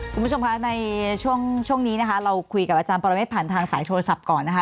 คุณผู้ชมคะในช่วงช่วงนี้นะคะเราคุยกับอาจารย์ปรเมฆผ่านทางสายโทรศัพท์ก่อนนะคะ